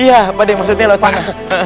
iya pak de maksudnya lewat sana